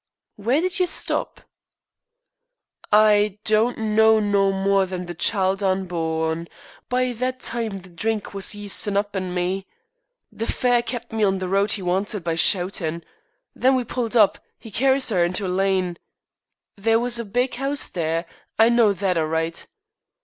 "Where did you stop?" "I don't know no more than the child unborn. By that time the drink was yeastin' up in me. The fare kept me on the road 'e wanted by shoutin'. When we pulled up, 'e carries 'er into a lane. There was a big 'ouse there. I know that all right.